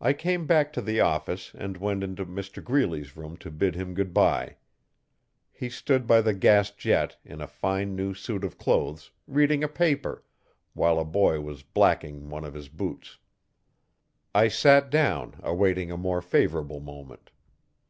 I came back to the office and went into Mr Greeley's room to bid him goodbye. He stood by the gas jet, in a fine new suit of clothes, reading a paper, while a boy was blacking one of his boots. I sat down, awaiting a more favourable moment.